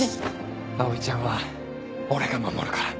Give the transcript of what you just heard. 葵ちゃんは俺が守るから。